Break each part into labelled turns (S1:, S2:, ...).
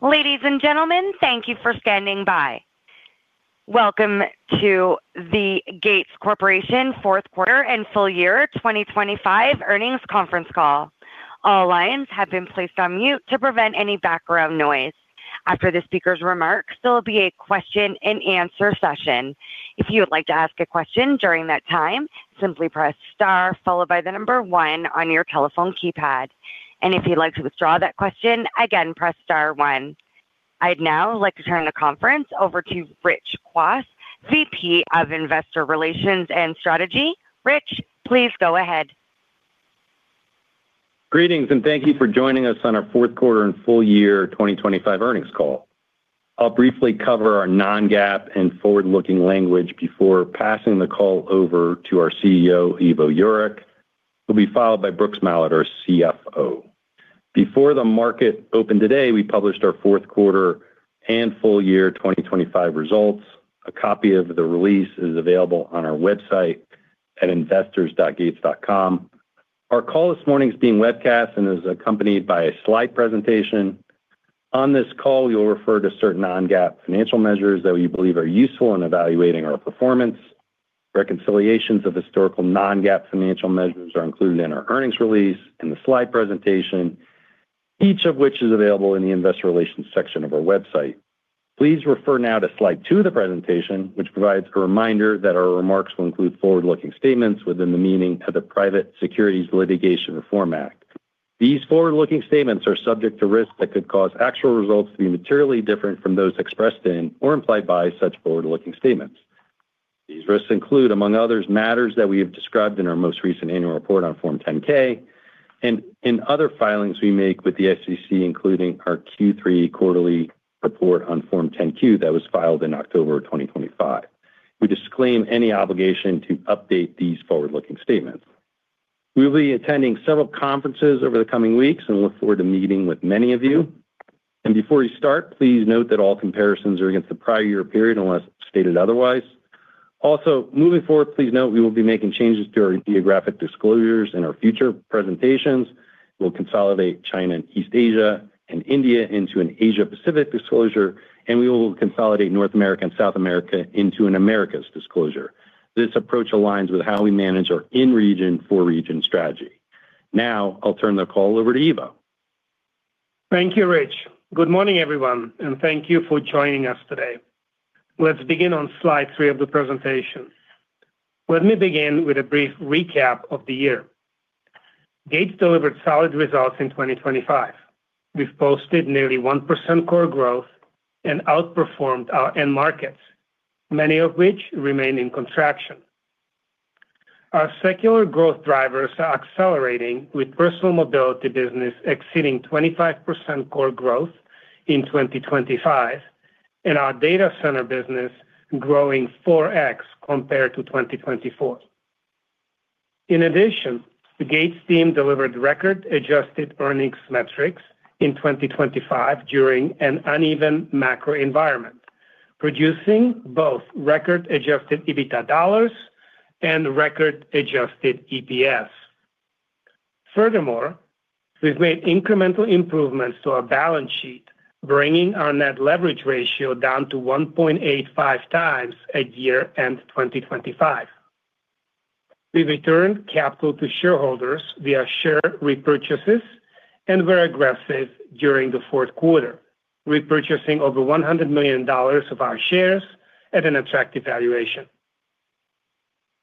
S1: Ladies and gentlemen, thank you for standing by. Welcome to the Gates Corporation fourth quarter and full year 2025 earnings conference call. All lines have been placed on mute to prevent any background noise. After the speaker's remarks, there will be a question-and-answer session. If you would like to ask a question during that time, simply press star followed by the number one on your telephone keypad, and if you'd like to withdraw that question again, press star one. I'd now like to turn the conference over to Rich Kwas, VP of Investor Relations and Strategy. Rich, please go ahead.
S2: Greetings, and thank you for joining us on our fourth quarter and full year 2025 earnings call. I'll briefly cover our non-GAAP and forward-looking language before passing the call over to our CEO, Ivo Jurek, who'll be followed by Brooks Mallard, our CFO. Before the market opened today, we published our fourth quarter and full year 2025 results. A copy of the release is available on our website at investors.gates.com. Our call this morning is being webcast and is accompanied by a slide presentation. On this call, we will refer to certain non-GAAP financial measures that we believe are useful in evaluating our performance. Reconciliations of historical non-GAAP financial measures are included in our earnings release and the slide presentation, each of which is available in the investor relations section of our website. Please refer now to slide two of the presentation, which provides a reminder that our remarks will include forward-looking statements within the meaning of the Private Securities Litigation Reform Act. These forward-looking statements are subject to risks that could cause actual results to be materially different from those expressed in or implied by such forward-looking statements. These risks include, among others, matters that we have described in our most recent annual report on Form 10-K and in other filings we make with the SEC, including our Q3 quarterly report on Form 10-Q that was filed in October of 2025. We disclaim any obligation to update these forward-looking statements. We will be attending several conferences over the coming weeks and look forward to meeting with many of you. Before we start, please note that all comparisons are against the prior year period, unless stated otherwise. Also, moving forward, please note we will be making changes to our geographic disclosures in our future presentations. We'll consolidate China and East Asia and India into an Asia Pacific disclosure, and we will consolidate North America and South America into an Americas disclosure. This approach aligns with how we manage our in-region, for-region strategy. Now, I'll turn the call over to Ivo.
S3: Thank you, Rich. Good morning, everyone, and thank you for joining us today. Let's begin on slide three of the presentation. Let me begin with a brief recap of the year. Gates delivered solid results in 2025. We've posted nearly 1% core growth and outperformed our end markets, many of which remain in contraction. Our secular growth drivers are accelerating, with personal mobility business exceeding 25% core growth in 2025, and our data center business growing 4x compared to 2024. In addition, the Gates team delivered record adjusted earnings metrics in 2025 during an uneven macro environment, producing both record adjusted EBITDA dollars and record adjusted EPS. Furthermore, we've made incremental improvements to our balance sheet, bringing our net leverage ratio down to 1.85x at year-end 2025. We returned capital to shareholders via share repurchases and were aggressive during the fourth quarter, repurchasing over $100 million of our shares at an attractive valuation.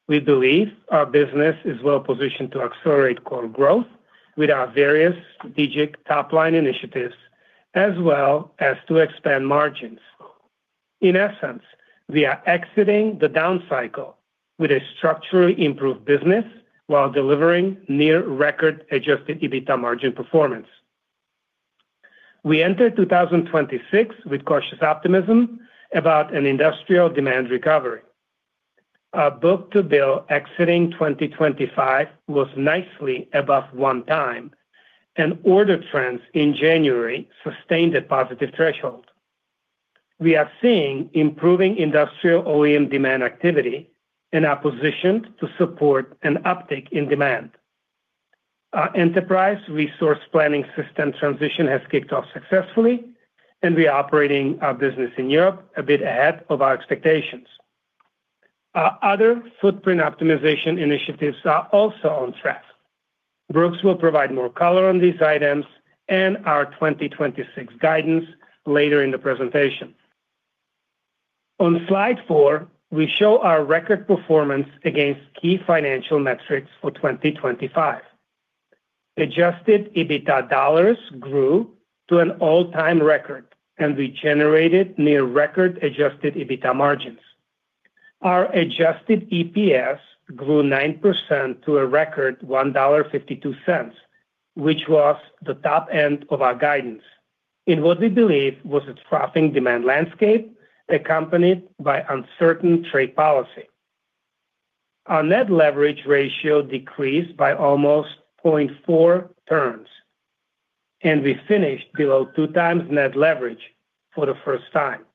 S3: We believe our business is well positioned to accelerate core growth with our various strategic top-line initiatives, as well as to expand margins. In essence, we are exiting the down cycle with a structurally improved business while delivering near-record adjusted EBITDA margin performance. We enter 2026 with cautious optimism about an industrial demand recovery. Our book-to-bill exiting 2025 was nicely above 1x, and order trends in January sustained a positive threshold. We are seeing improving industrial OEM demand activity and are positioned to support an uptick in demand. Our Enterprise Resource Planning system transition has kicked off successfully, and we are operating our business in Europe a bit ahead of our expectations. Our other footprint optimization initiatives are also on track. Brooks will provide more color on these items and our 2026 guidance later in the presentation. On Slide four, we show our record performance against key financial metrics for 2025. Adjusted EBITDA dollars grew to an all-time record, and we generated near-record adjusted EBITDA margins. Our adjusted EPS grew 9% to a record $1.52, which was the top end of our guidance, in what we believe was a staffing demand landscape accompanied by uncertain trade policy. Our net leverage ratio decreased by almost 0.4 turns, and we finished below 2x net leverage for the first time....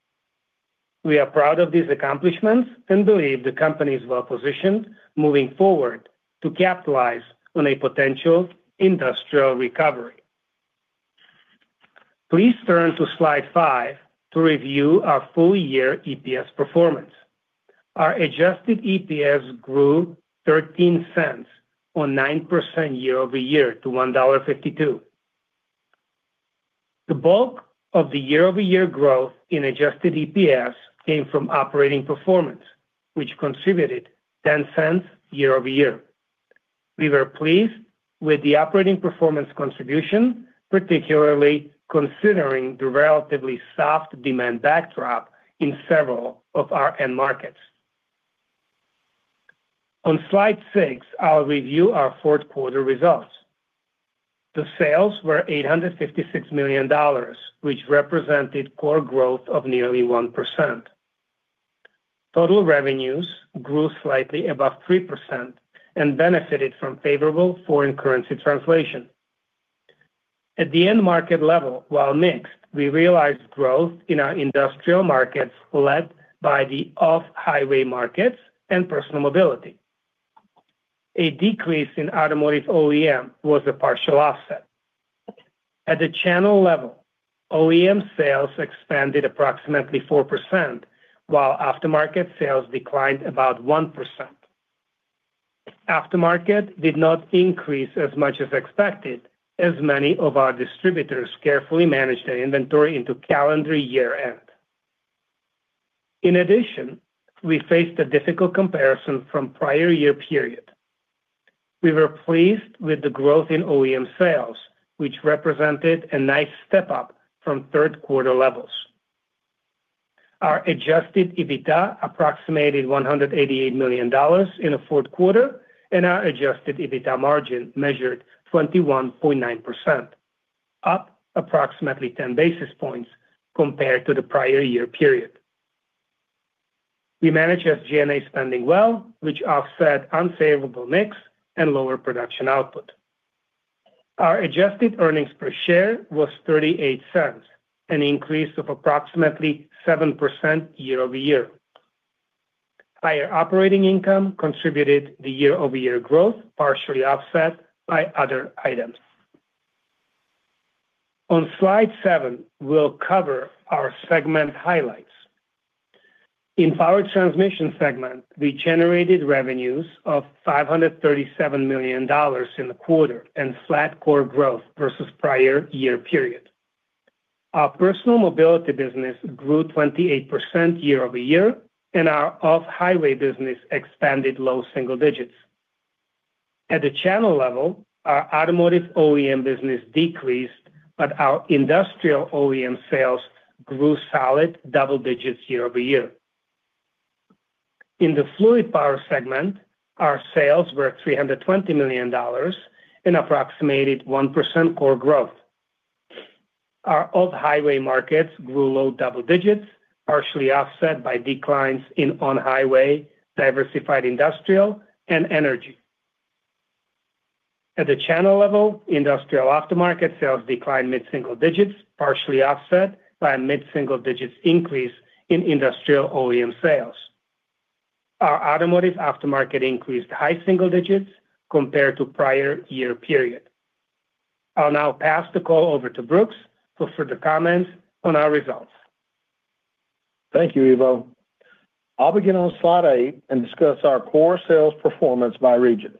S3: We are proud of these accomplishments and believe the company is well-positioned moving forward to capitalize on a potential industrial recovery. Please turn to slide five to review our full year EPS performance. Our adjusted EPS grew $0.13, or 9% year-over-year to $1.52. The bulk of the year-over-year growth in adjusted EPS came from operating performance, which contributed $0.10 year-over-year. We were pleased with the operating performance contribution, particularly considering the relatively soft demand backdrop in several of our end markets. On slide six, I'll review our fourth quarter results. The sales were $856 million, which represented core growth of nearly 1%. Total revenues grew slightly above 3% and benefited from favorable foreign currency translation. At the end market level, while mixed, we realized growth in our industrial markets, led by the off-highway markets and personal mobility. A decrease in automotive OEM was a partial offset. At the channel level, OEM sales expanded approximately 4%, while aftermarket sales declined about 1%. Aftermarket did not increase as much as expected, as many of our distributors carefully managed their inventory into calendar year-end. In addition, we faced a difficult comparison from prior year period. We were pleased with the growth in OEM sales, which represented a nice step up from third quarter levels. Our Adjusted EBITDA approximated $188 million in the fourth quarter, and our Adjusted EBITDA margin measured 21.9%, up approximately 10 basis points compared to the prior year period. We managed SG&A spending well, which offset unfavorable mix and lower production output. Our adjusted earnings per share was $0.38, an increase of approximately 7% year-over-year. Higher operating income contributed the year-over-year growth, partially offset by other items. On slide seven, we'll cover our segment highlights. In Power Transmission segment, we generated revenues of $537 million in the quarter and flat core growth versus prior year period. Our Personal Mobility business grew 28% year-over-year, and our Off-Highway business expanded low single digits. At the channel level, our Automotive OEM business decreased, but our Industrial OEM sales grew solid double digits year-over-year. In the Fluid Power segment, our sales were $320 million and approximated 1% core growth. Our Off-Highway markets grew low double digits, partially offset by declines in On-Highway, Diversified Industrial, and Energy. At the channel level, industrial aftermarket sales declined mid-single digits, partially offset by a mid-single digits increase in industrial OEM sales. Our automotive aftermarket increased high single digits compared to prior year period. I'll now pass the call over to Brooks for further comments on our results.
S4: Thank you, Ivo. I'll begin on slide eight and discuss our core sales performance by region.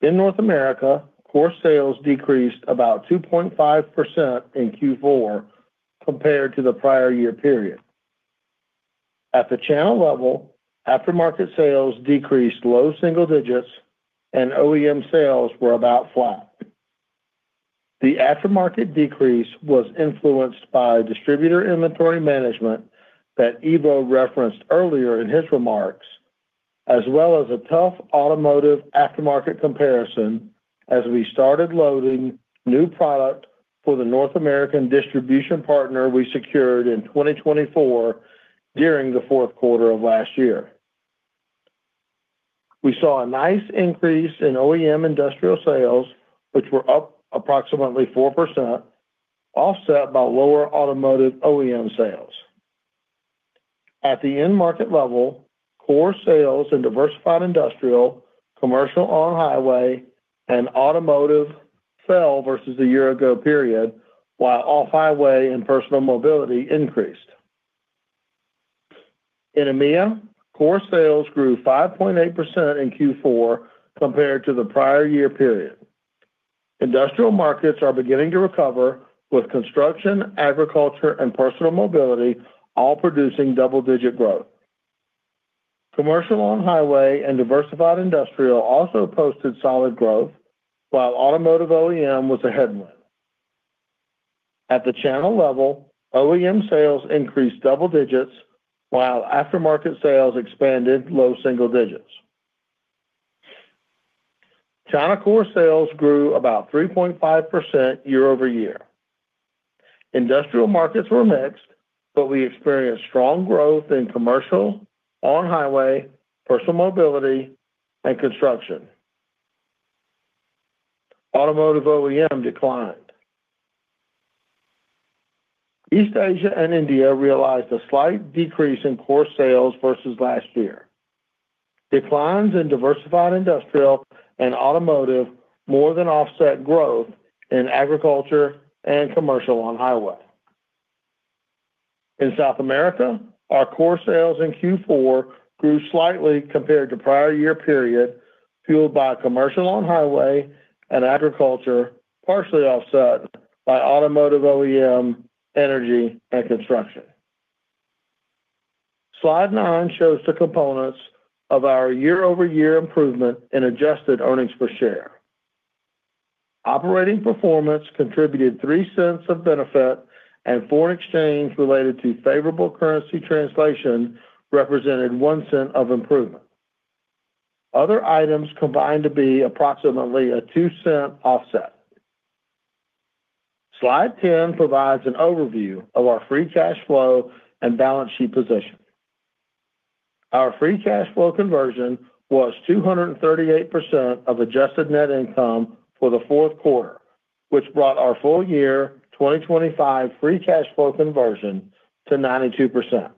S4: In North America, core sales decreased about 2.5% in Q4 compared to the prior year period. At the channel level, aftermarket sales decreased low single digits and OEM sales were about flat. The aftermarket decrease was influenced by distributor inventory management that Ivo referenced earlier in his remarks, as well as a tough automotive aftermarket comparison as we started loading new product for the North American distribution partner we secured in 2024 during the fourth quarter of last year. We saw a nice increase in OEM industrial sales, which were up approximately 4%, offset by lower automotive OEM sales. At the end market level, core sales in diversified industrial, commercial on-highway, and automotive fell versus a year ago period, while off-highway and personal mobility increased. In EMEA, core sales grew 5.8% in Q4 compared to the prior year period. Industrial markets are beginning to recover, with construction, agriculture, and personal mobility all producing double-digit growth. Commercial on-highway and diversified industrial also posted solid growth, while automotive OEM was a headwind. At the channel level, OEM sales increased double digits, while aftermarket sales expanded low single digits. China core sales grew about 3.5% year-over-year. Industrial markets were mixed, but we experienced strong growth in commercial, on-highway, personal mobility, and construction. Automotive OEM declined. East Asia and India realized a slight decrease in core sales versus last year. Declines in diversified industrial and automotive more than offset growth in agriculture and commercial on highway. In South America, our core sales in Q4 grew slightly compared to prior year period, fueled by commercial on-highway and agriculture, partially offset by automotive OEM, energy, and construction. Slide nine shows the components of our year-over-year improvement in adjusted earnings per share. Operating performance contributed $0.03 of benefit, and foreign exchange related to favorable currency translation represented $0.01 of improvement. Other items combined to be approximately a $0.02 offset. Slide 10 provides an overview of our free cash flow and balance sheet position. Our free cash flow conversion was 238% of adjusted net income for the fourth quarter, which brought our full-year 2025 free cash flow conversion to 92%.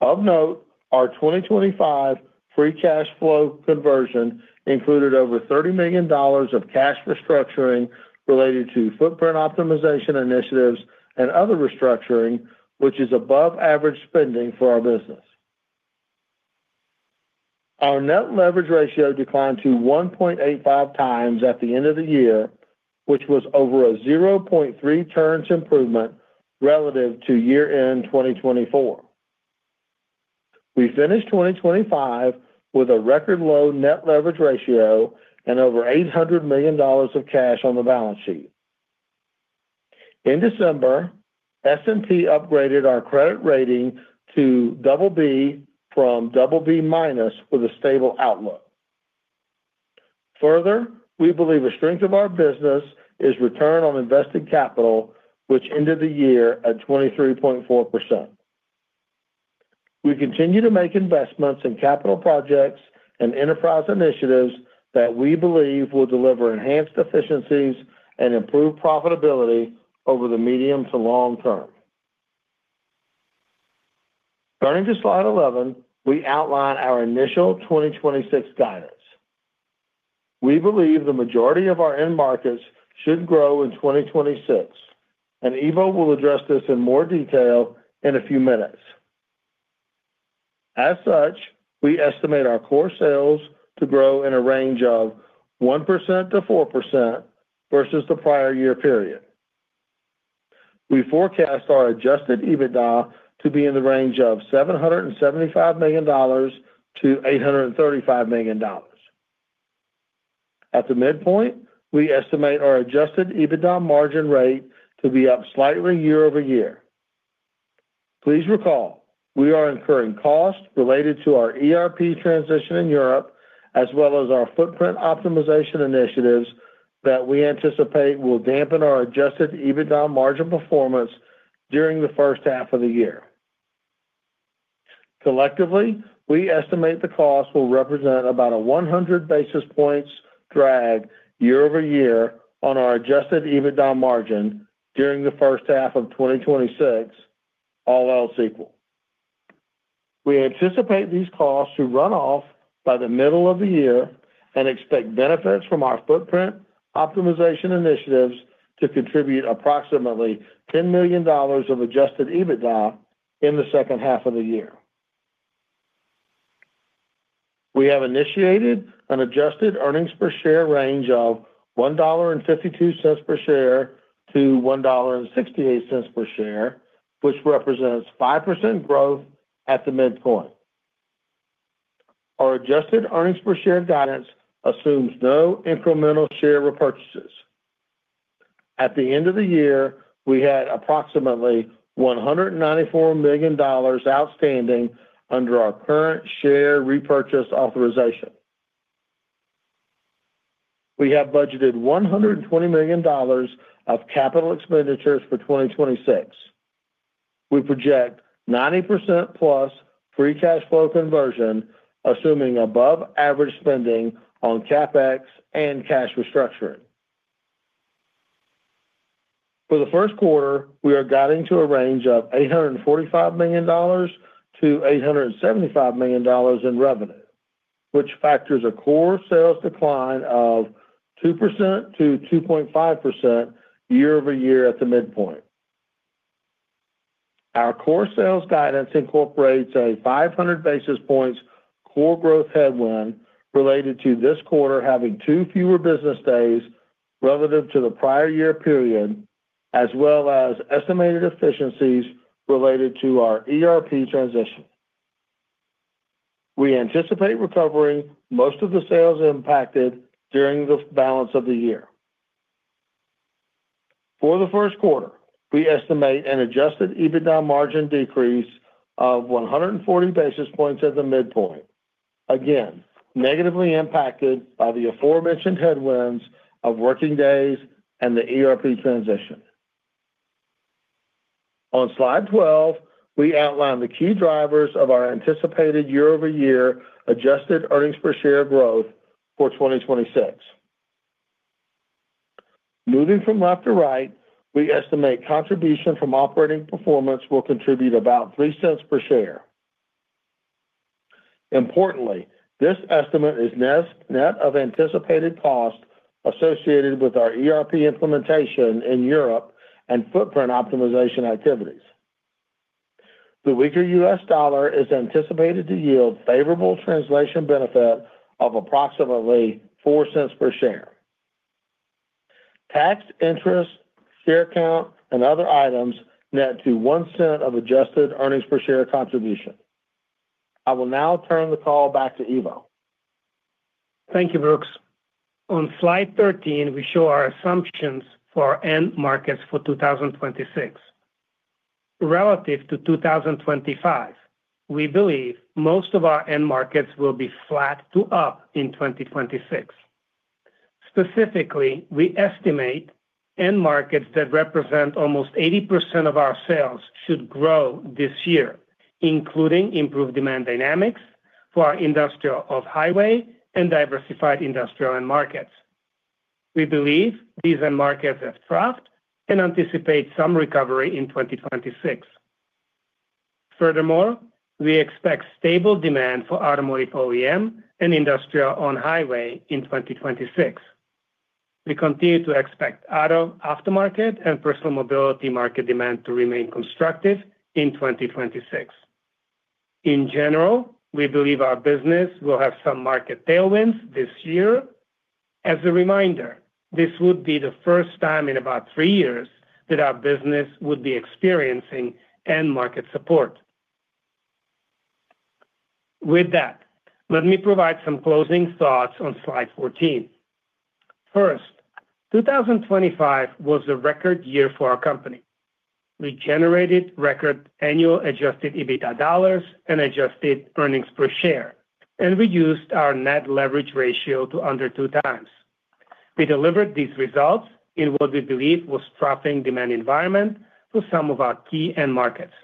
S4: Of note, our 2025 free cash flow conversion included over $30 million of cash restructuring related to footprint optimization initiatives and other restructuring, which is above average spending for our business. Our net leverage ratio declined to 1.85x at the end of the year, which was over a 0.3 turns improvement relative to year-end 2024. We finished 2025 with a record low net leverage ratio and over $800 million of cash on the balance sheet. In December, S&P upgraded our credit rating to double B from double B minus with a stable outlook. Further, we believe a strength of our business is return on invested capital, which ended the year at 23.4%. We continue to make investments in capital projects and enterprise initiatives that we believe will deliver enhanced efficiencies and improve profitability over the medium to long term. Turning to slide 11, we outline our initial 2026 guidance. We believe the majority of our end markets should grow in 2026, and Ivo will address this in more detail in a few minutes. As such, we estimate our core sales to grow in a range of 1%-4% versus the prior year period. We forecast our adjusted EBITDA to be in the range of $775 million-$835 million. At the midpoint, we estimate our adjusted EBITDA margin rate to be up slightly year-over-year. Please recall, we are incurring costs related to our ERP transition in Europe, as well as our footprint optimization initiatives that we anticipate will dampen our Adjusted EBITDA margin performance during the first half of the year. Collectively, we estimate the cost will represent about a 100 basis points drag year-over-year on our Adjusted EBITDA margin during the first half of 2026, all else equal. We anticipate these costs to run off by the middle of the year and expect benefits from our footprint optimization initiatives to contribute approximately $10 million of Adjusted EBITDA in the second half of the year. We have initiated an adjusted earnings per share range of $1.52 per share-$1.68 per share, which represents 5% growth at the midpoint. Our adjusted earnings per share guidance assumes no incremental share repurchases. At the end of the year, we had approximately $194 million outstanding under our current share repurchase authorization. We have budgeted $120 million of capital expenditures for 2026. We project 90%+ free cash flow conversion, assuming above average spending on CapEx and cash restructuring. For the first quarter, we are guiding to a range of $845 million-$875 million in revenue, which factors a core sales decline of 2%-2.5% year-over-year at the midpoint. Our core sales guidance incorporates a 500 basis points core growth headwind related to this quarter having two fewer business days relative to the prior year period, as well as estimated efficiencies related to our ERP transition. We anticipate recovering most of the sales impacted during the balance of the year. For the first quarter, we estimate an adjusted EBITDA margin decrease of 140 basis points at the midpoint, again, negatively impacted by the aforementioned headwinds of working days and the ERP transition. On Slide 12, we outline the key drivers of our anticipated year-over-year adjusted earnings per share growth for 2026. Moving from left to right, we estimate contribution from operating performance will contribute about $0.03 per share. Importantly, this estimate is net of anticipated costs associated with our ERP implementation in Europe and footprint optimization activities. The weaker US dollar is anticipated to yield favorable translation benefit of approximately $0.04 per share. Tax, interest, share count, and other items net to $0.01 of adjusted earnings per share contribution. I will now turn the call back to Ivo.
S3: Thank you, Brooks. On Slide 13, we show our assumptions for end markets for 2026. Relative to 2025, we believe most of our end markets will be flat to up in 2026. Specifically, we estimate end markets that represent almost 80% of our sales should grow this year, including improved demand dynamics for our industrial off-highway and diversified industrial end markets. We believe these end markets have dropped and anticipate some recovery in 2026. Furthermore, we expect stable demand for automotive OEM and industrial on-highway in 2026. We continue to expect auto aftermarket and personal mobility market demand to remain constructive in 2026. In general, we believe our business will have some market tailwinds this year. As a reminder, this would be the first time in about three years that our business would be experiencing end market support. With that, let me provide some closing thoughts on Slide 14. First, 2025 was a record year for our company. We generated record annual adjusted EBITDA dollars and adjusted earnings per share, and reduced our net leverage ratio to under 2x. We delivered these results in what we believe was dropping demand environment for some of our key end markets.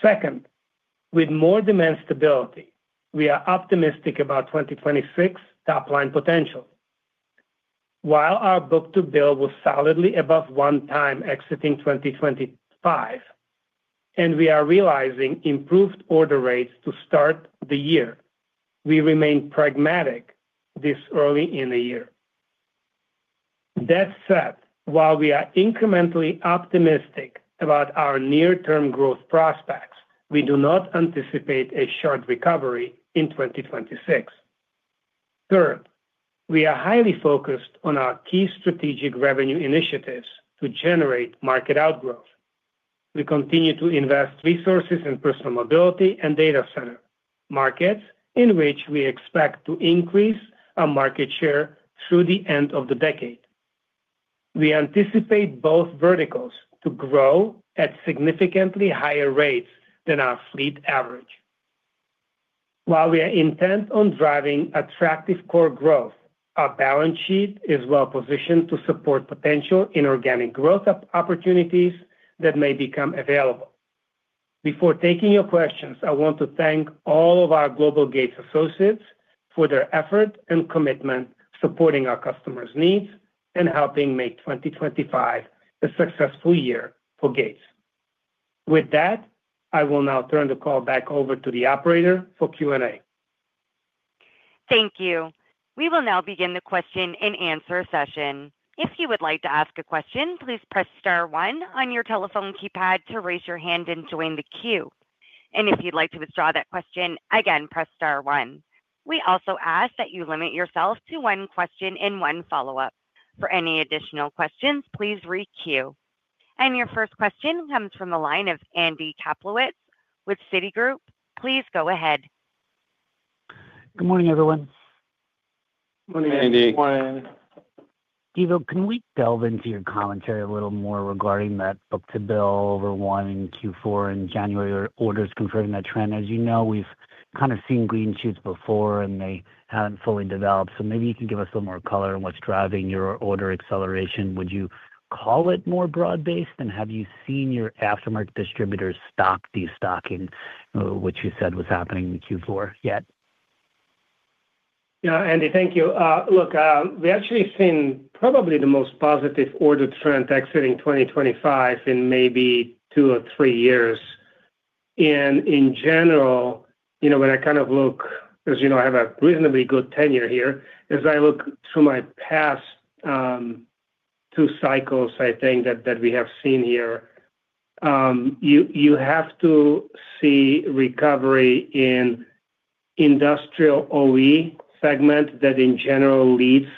S3: Second, with more demand stability, we are optimistic about 2026 top-line potential. While our book-to-bill was solidly above 1x exiting 2025, and we are realizing improved order rates to start the year, we remain pragmatic this early in the year. That said, while we are incrementally optimistic about our near-term growth prospects, we do not anticipate a sharp recovery in 2026. Third, we are highly focused on our key strategic revenue initiatives to generate market outgrowth. We continue to invest resources in personal mobility and data center markets, in which we expect to increase our market share through the end of the decade. We anticipate both verticals to grow at significantly higher rates than our fleet average. While we are intent on driving attractive core growth, our balance sheet is well positioned to support potential inorganic growth opportunities that may become available. Before taking your questions, I want to thank all of our global Gates associates for their effort and commitment, supporting our customers' needs and helping make 2025 a successful year for Gates. With that, I will now turn the call back over to the operator for Q&A.
S1: Thank you. We will now begin the question-and-answer session. If you would like to ask a question, please press star one on your telephone keypad to raise your hand and join the queue. If you'd like to withdraw that question, again, press star one. We also ask that you limit yourself to one question and one follow-up. For any additional questions, please requeue. Your first question comes from the line of Andy Kaplowitz with Citigroup. Please go ahead.
S5: Good morning, everyone.
S3: Morning, Andy.
S4: Good morning.
S5: Ivo, can we delve into your commentary a little more regarding that book-to-bill over one in Q4 and January orders confirming that trend? As you know, we've kind of seen green shoots before, and they haven't fully developed. So maybe you can give us a little more color on what's driving your order acceleration. Would you call it more broad-based, and have you seen your aftermarket distributors stock destocking, which you said was happening in Q4 yet?
S3: Yeah, Andy, thank you. Look, we've actually seen probably the most positive order trend exiting 2025 in maybe two or three years. And in general, you know, when I kind of look, as you know, I have a reasonably good tenure here. As I look through my past two cycles, I think that we have seen here, you have to see recovery in industrial OEM segment that in general leads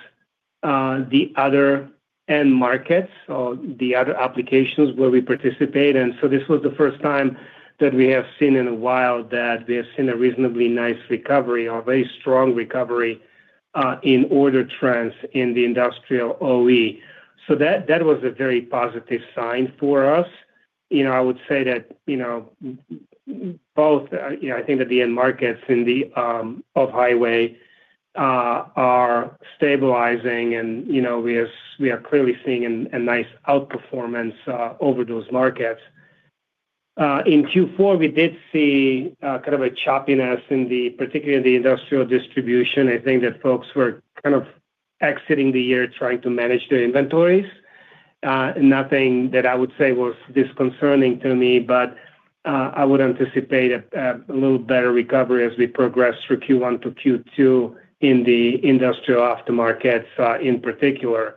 S3: the other end markets or the other applications where we participate. And so this was the first time that we have seen in a while that we have seen a reasonably nice recovery or a very strong recovery in order trends in the industrial OEM. So that was a very positive sign for us. You know, I would say that, you know, both, you know, I think that the end markets in the, off-highway... are stabilizing and, you know, we are, we are clearly seeing a, a nice outperformance, over those markets. In Q4, we did see, kind of a choppiness in the, particularly in the industrial distribution. I think that folks were kind of exiting the year trying to manage their inventories. Nothing that I would say was disconcerting to me, but, I would anticipate a, a little better recovery as we progress through Q1 to Q2 in the industrial aftermarket, in particular.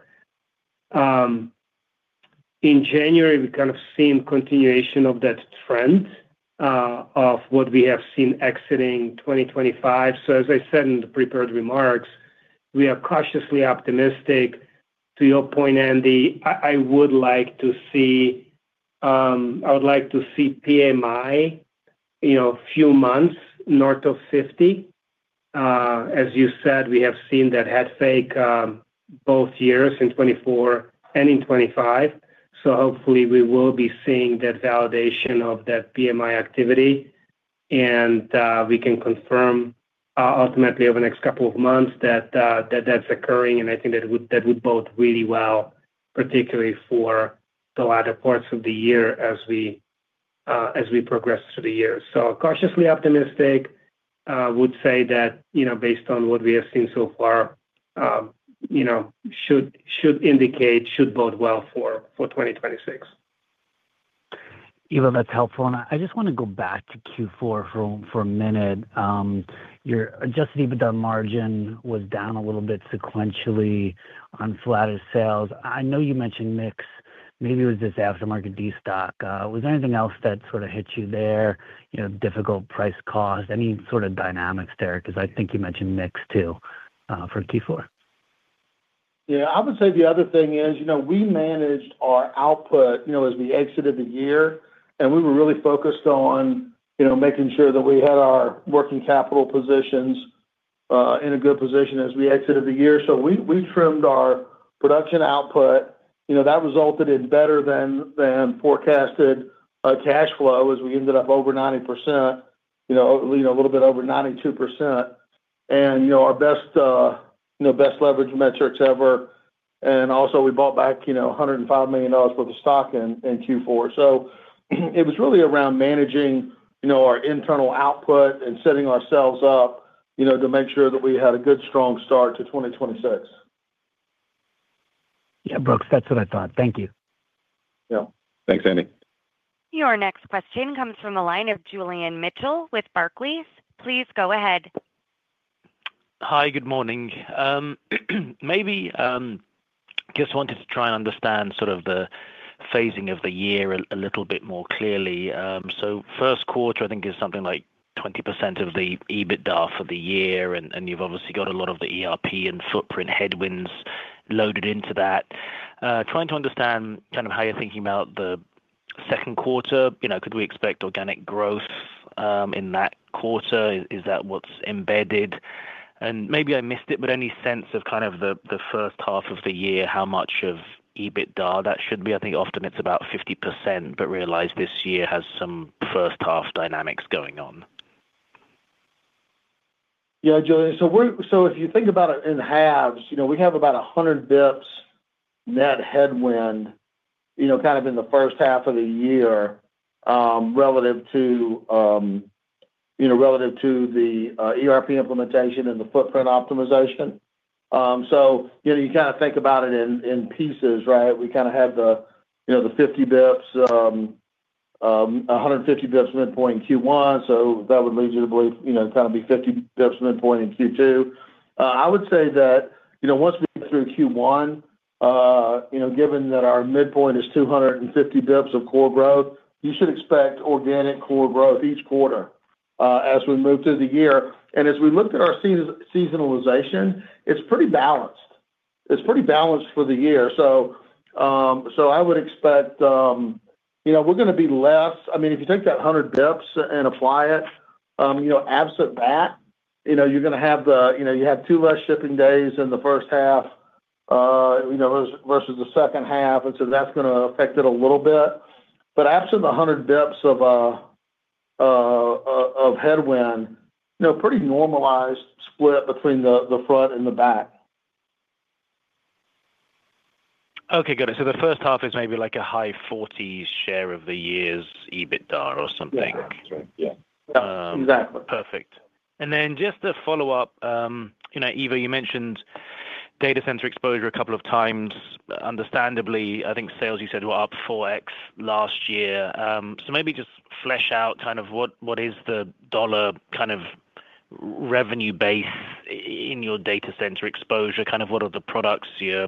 S3: In January, we kind of seen continuation of that trend, of what we have seen exiting 2025. So as I said in the prepared remarks, we are cautiously optimistic. To your point, Andy, I would like to see PMI, you know, a few months north of 50. As you said, we have seen that head fake both years in 2024 and in 2025. So hopefully we will be seeing that validation of that PMI activity, and we can confirm ultimately over the next couple of months that that's occurring, and I think that would bode really well, particularly for the latter parts of the year as we progress through the year. So cautiously optimistic, would say that, you know, based on what we have seen so far, you know, should indicate should bode well for 2026.
S5: Ivo, that's helpful. And I just want to go back to Q4 for a minute. Your Adjusted EBITDA margin was down a little bit sequentially on flatter sales. I know you mentioned mix. Maybe it was just aftermarket destock. Was there anything else that sort of hit you there, you know, difficult price cost, any sort of dynamics there? Because I think you mentioned mix too, for Q4.
S4: Yeah. I would say the other thing is, you know, we managed our output, you know, as we exited the year, and we were really focused on, you know, making sure that we had our working capital positions in a good position as we exited the year. So we trimmed our production output, you know, that resulted in better than forecasted cash flow, as we ended up over 90%, you know, a little bit over 92%. And, you know, our best leverage metrics ever. And also, we bought back, you know, $105 million worth of stock in Q4. So it was really around managing, you know, our internal output and setting ourselves up, you know, to make sure that we had a good, strong start to 2026.
S5: Yeah, Brooks, that's what I thought. Thank you.
S4: Yeah. Thanks, Andy.
S1: Your next question comes from the line of Julian Mitchell with Barclays. Please go ahead.
S6: Hi, good morning. Maybe, just wanted to try and understand sort of the phasing of the year a little bit more clearly. So first quarter, I think, is something like 20% of the EBITDA for the year, and you've obviously got a lot of the ERP and footprint headwinds loaded into that. Trying to understand kind of how you're thinking about the second quarter. You know, could we expect organic growth in that quarter? Is that what's embedded? And maybe I missed it, but any sense of kind of the first half of the year, how much of EBITDA that should be? I think often it's about 50%, but realize this year has some first half dynamics going on.
S4: Yeah, Julian. So if you think about it in halves, you know, we have about 100 basis points net headwind, you know, kind of in the first half of the year, relative to, you know, relative to the ERP implementation and the footprint optimization. So, you know, you kind of think about it in pieces, right? We kind of have the, you know, the 50 basis points, 150 basis points midpoint in Q1, so that would lead you to believe, you know, kind of be 50 basis points midpoint in Q2. I would say that, you know, once we get through Q1, you know, given that our midpoint is 250 basis points of core growth, you should expect organic core growth each quarter, as we move through the year. As we look at our seasonalization, it's pretty balanced. It's pretty balanced for the year. So, I would expect, you know, we're gonna be less... I mean, if you take that 100 basis points and apply it, you know, absent that, you know, you have 2 less shipping days in the first half, you know, versus the second half, and so that's gonna affect it a little bit. But absent the 100 basis points of headwind, you know, pretty normalized split between the front and the back.
S6: Okay, got it. So the first half is maybe like a high 40 share of the year's EBITDA or something.
S4: Yeah, that's right. Yeah. Exactly.
S6: Perfect. And then just to follow up, you know, Ivo, you mentioned data center exposure a couple of times, understandably. I think sales, you said, were up 4x last year. So maybe just flesh out kind of what, what is the dollar kind of revenue base in your data center exposure? Kind of what are the products you're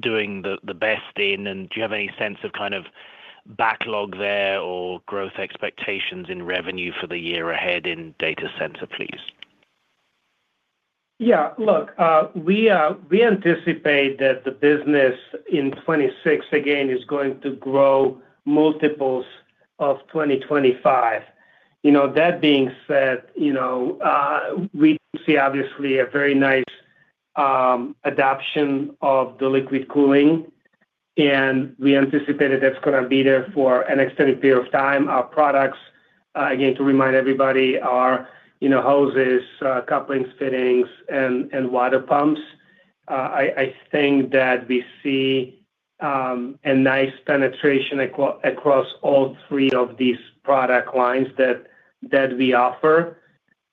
S6: doing the, the best in, and do you have any sense of kind of backlog there or growth expectations in revenue for the year ahead in data center, please?
S3: Yeah. Look, we anticipate that the business in 2026, again, is going to grow multiples of 2025. You know, that being said, you know, we see obviously a very nice adoption of the liquid cooling and we anticipated that's gonna be there for an extended period of time. Our products, again, to remind everybody, are, you know, hoses, couplings, fittings, and water pumps. I think that we see a nice penetration across all three of these product lines that we offer.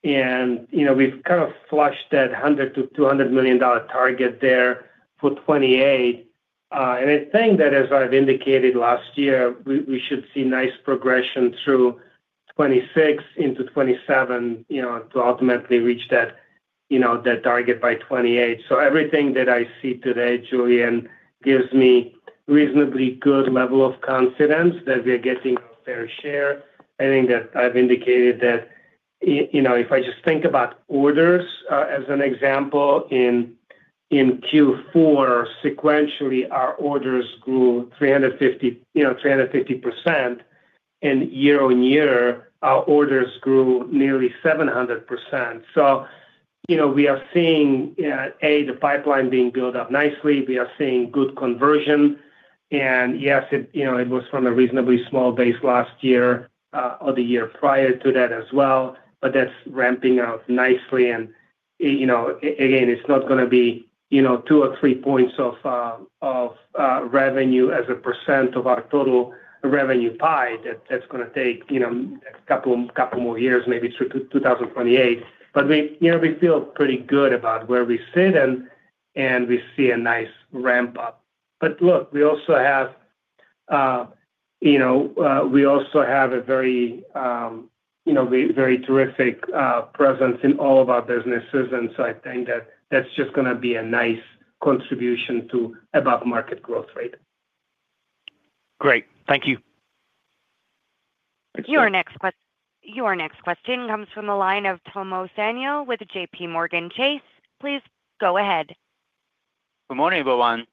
S3: And, you know, we've kind of flushed that $100-$200 million target there for 2028. And I think that as I've indicated last year, we should see nice progression through 2026 into 2027, you know, to ultimately reach that, you know, that target by 2028. So everything that I see today, Julian, gives me reasonably good level of confidence that we are getting our fair share. I think that I've indicated that I- you know, if I just think about orders, as an example, in, in Q4, sequentially, our orders grew 350, you know, 350%, and year-on-year, our orders grew nearly 700%. So, you know, we are seeing, a, the pipeline being built up nicely. We are seeing good conversion, and yes, it, you know, it was from a reasonably small base last year, or the year prior to that as well, but that's ramping up nicely. And, you know, again, it's not gonna be, you know, two or three points of, of, revenue as a percent of our total revenue pie. That, that's gonna take, you know, a couple, couple more years, maybe through to 2028. But we, you know, we feel pretty good about where we sit, and, and we see a nice ramp up. But look, we also have, you know, we also have a very, you know, very terrific presence in all of our businesses, and so I think that that's just gonna be a nice contribution to above-market growth rate.
S6: Great. Thank you.
S1: Your next question comes from the line of Tomo Sano with J.P. Morgan Chase. Please go ahead.
S7: Good morning, everyone.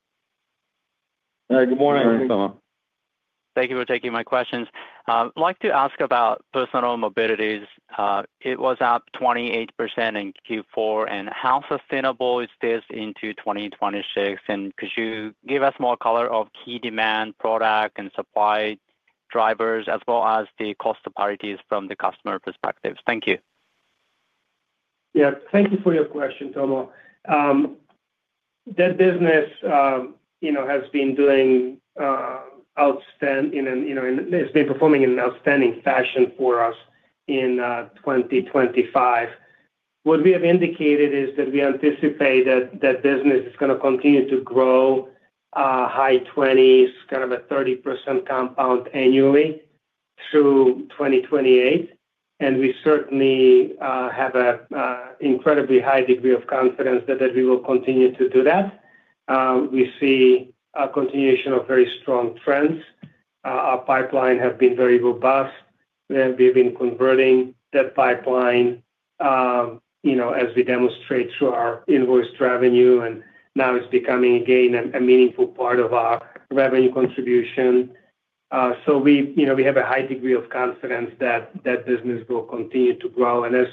S3: Hi, good morning, Tomo.
S7: Thank you for taking my questions. I'd like to ask about personal mobilities. It was up 28% in Q4, and how sustainable is this into 2026? And could you give us more color of key demand, product, and supply drivers as well as the cost priorities from the customer perspective? Thank you.
S3: Yeah. Thank you for your question, Tomo. That business, you know, has been doing, you know, it's been performing in an outstanding fashion for us in 2025. What we have indicated is that we anticipate that that business is gonna continue to grow, high 20s, kind of a 30% compound annually through 2028, and we certainly have an incredibly high degree of confidence that that we will continue to do that. We see a continuation of very strong trends. Our pipeline have been very robust, and we've been converting that pipeline, you know, as we demonstrate through our invoiced revenue, and now it's becoming, again, a meaningful part of our revenue contribution. So we, you know, we have a high degree of confidence that that business will continue to grow. As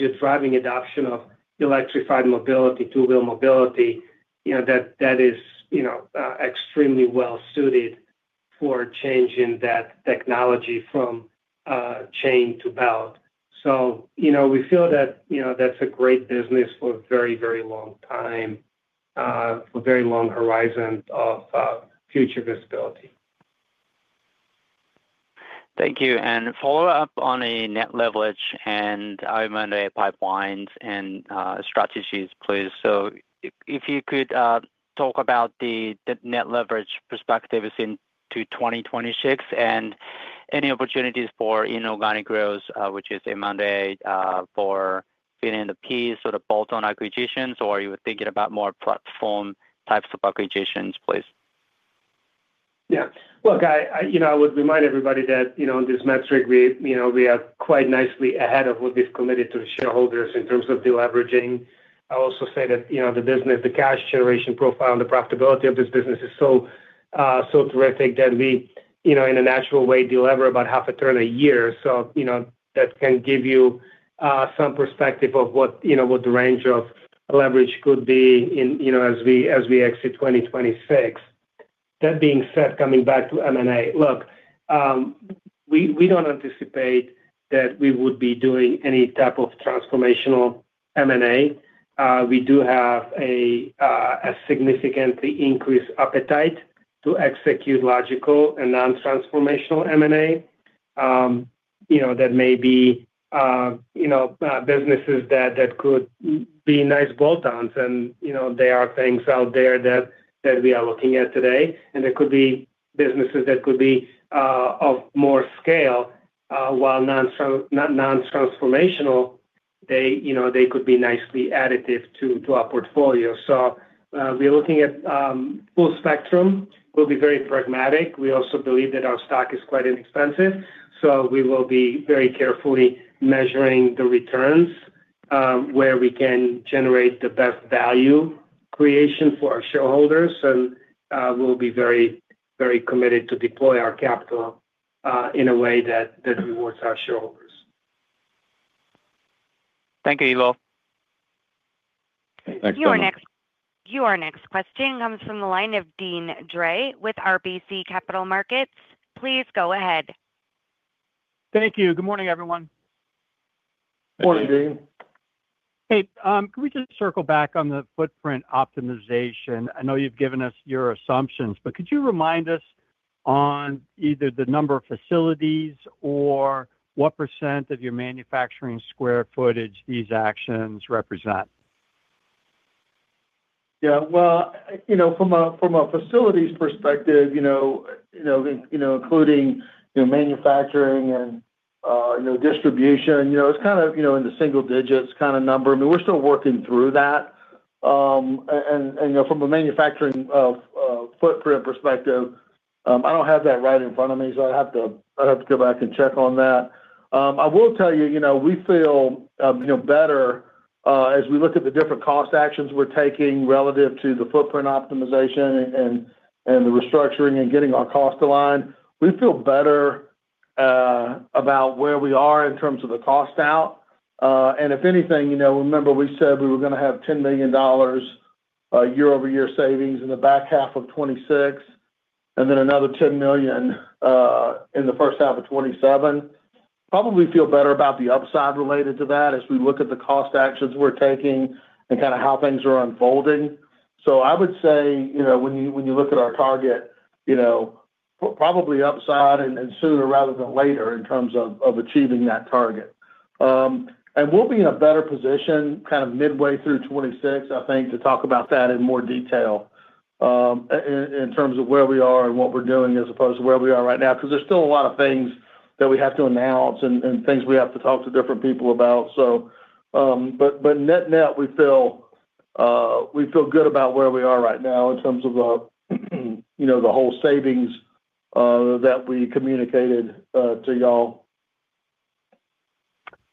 S3: you're driving adoption of electrified mobility, two-wheel mobility, you know, that is, you know, extremely well suited for changing that technology from chain to belt. So, you know, we feel that, you know, that's a great business for a very, very long time, a very long horizon of future visibility.
S7: Thank you, and follow up on a net leverage and M&A pipelines and strategies, please. So if you could talk about the net leverage perspectives into 2026 and any opportunities for inorganic growth, which is M&A, for filling the piece or the bolt-on acquisitions, or are you thinking about more platform types of acquisitions, please?
S3: Yeah. Look, I would remind everybody that, you know, in this metric, we, you know, we are quite nicely ahead of what we've committed to the shareholders in terms of deleveraging. I'll also say that, you know, the business, the cash generation profile and the profitability of this business is so, so terrific that we, you know, in a natural way, delever about half a turn a year. So, you know, that can give you some perspective of what, you know, what the range of leverage could be in you know, as we exit 2026. That being said, coming back to M&A, look, we don't anticipate that we would be doing any type of transformational M&A. We do have a significantly increased appetite to execute logical and non-transformational M&A. You know, that may be businesses that could be nice bolt-ons, and you know, there are things out there that we are looking at today, and there could be businesses that could be of more scale, while not non-transformational, they, you know, they could be nicely additive to our portfolio. So, we're looking at full spectrum. We'll be very pragmatic. We also believe that our stock is quite inexpensive, so we will be very carefully measuring the returns, where we can generate the best value creation for our shareholders, and we'll be very, very committed to deploy our capital in a way that rewards our shareholders. Thank you, Elo.
S4: Thanks-
S1: Your next question comes from the line of Deane Dray with RBC Capital Markets. Please go ahead.
S8: Thank you. Good morning, everyone.
S4: Good morning, Dean.
S8: Hey, can we just circle back on the footprint optimization? I know you've given us your assumptions, but could you remind us on either the number of facilities or what percent of your manufacturing square footage these actions represent?
S4: Yeah, well, you know, from a facilities perspective, you know, you know, you know, including, you know, manufacturing and, you know, distribution, you know, it's kind of, you know, in the single digits kinda number. I mean, we're still working through that. And, you know, from a manufacturing footprint perspective, I don't have that right in front of me, so I'd have to, I'd have to go back and check on that. I will tell you, you know, we feel, you know, better as we look at the different cost actions we're taking relative to the footprint optimization and the restructuring and getting our costs aligned. We feel better about where we are in terms of the cost out. And if anything, you know, remember, we said we were gonna have $10 million year-over-year savings in the back half of 2026, and then another $10 million in the first half of 2027. Probably feel better about the upside related to that as we look at the cost actions we're taking and kinda how things are unfolding. So I would say, you know, when you, when you look at our target, you know, probably upside and sooner rather than later in terms of achieving that target. We'll be in a better position, kind of midway through 2026, I think, to talk about that in more detail, in terms of where we are and what we're doing, as opposed to where we are right now, 'cause there's still a lot of things that we have to announce and things we have to talk to different people about. So, but net-net, we feel good about where we are right now in terms of the, you know, the whole savings that we communicated to y'all.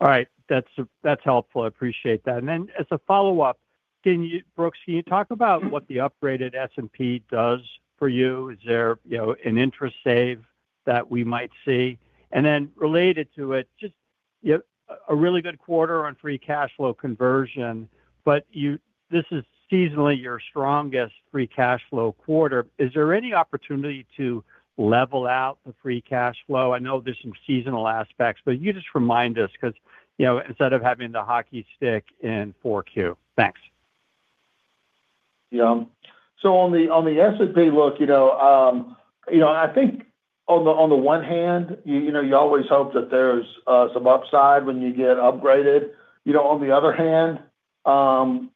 S8: All right. That's, that's helpful. I appreciate that. And then as a follow-up, can you... Brooks, can you talk about what the upgraded S&P does for you? Is there, you know, an interest save that we might see? And then related to it, just, yep, a really good quarter on free cash flow conversion, but you, this is seasonally your strongest free cash flow quarter. Is there any opportunity to level out the free cash flow? I know there's some seasonal aspects, but you just remind us 'cause, you know, instead of having the hockey stick in 4Q. Thanks.
S4: Yeah. So on the S&P look, you know, you know, I think on the one hand, you know, you always hope that there's some upside when you get upgraded. You know, on the other hand,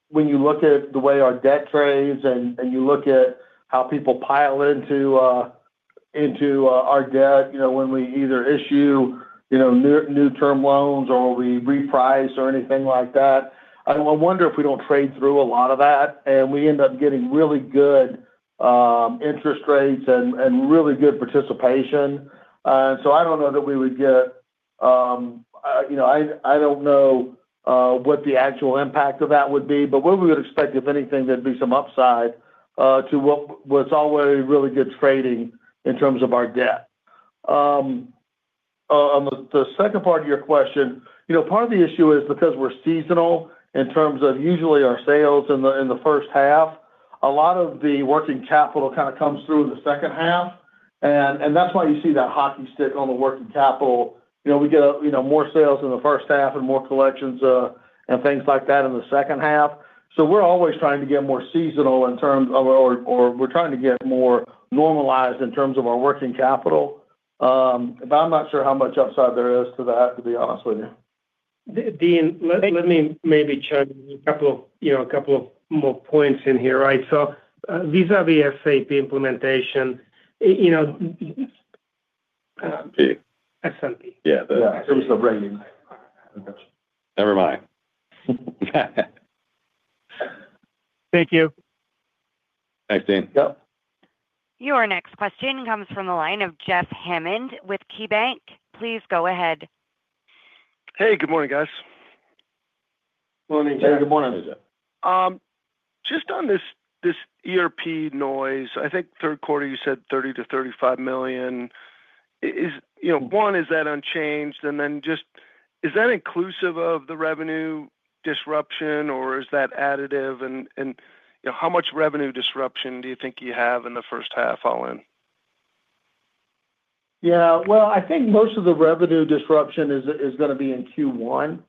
S4: when you look at the way our debt trades and you look at how people pile into our debt, you know, when we either issue new term loans or we reprice or anything like that, I wonder if we don't trade through a lot of that, and we end up getting really good interest rates and really good participation. So I don't know that we would get, you know, I don't know what the actual impact of that would be, but what we would expect, if anything, there'd be some upside to what was already really good trading in terms of our debt. On the second part of your question, you know, part of the issue is because we're seasonal, in terms of usually our sales in the first half, a lot of the working capital kinda comes through in the second half, and that's why you see that hockey stick on the working capital. You know, we get, you know, more sales in the first half and more collections, and things like that in the second half. So we're always trying to get more seasonal in terms of... Or we're trying to get more normalized in terms of our working capital. But I'm not sure how much upside there is to that, to be honest with you.
S3: Dean, let me maybe chime in a couple of, you know, a couple of more points in here, right? So, vis-à-vis SAP implementation, you know,
S4: S&P.
S3: S&P.
S4: Yeah. Yeah, in terms of rating.
S2: Never mind.
S8: Thank you.
S2: Thanks, Dean.
S4: Yep.
S1: Your next question comes from the line of Jeff Hammond with KeyBanc. Please go ahead.
S9: Hey, good morning, guys.
S4: Morning, Jeff.
S3: Good morning, Jeff.
S9: Just on this, this ERP noise, I think third quarter, you said $30 million-$35 million. Is... You know, one, is that unchanged? And then just, is that inclusive of the revenue disruption, or is that additive? And, you know, how much revenue disruption do you think you have in the first half all in?
S4: Yeah, well, I think most of the revenue disruption is gonna be in Q1.